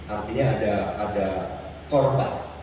artinya ada korban